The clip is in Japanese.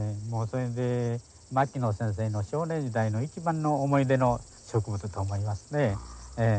牧野先生の少年時代の一番の思い出の植物と思いますね。